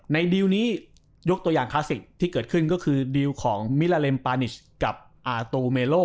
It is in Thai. ดิวนี้ยกตัวอย่างคลาสสิกที่เกิดขึ้นก็คือดีลของมิลาเลมปานิชกับอาตูเมโล